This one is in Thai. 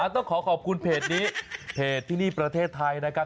ต้องขอขอบคุณเพจนี้เพจที่นี่ประเทศไทยนะครับ